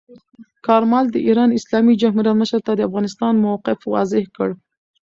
کارمل د ایران اسلامي جمهوریت مشر ته د افغانستان موقف واضح کړ.